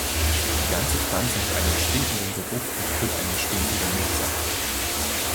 Die ganze Pflanze hat einen stinkenden Geruch und führt einen stinkenden Milchsaft.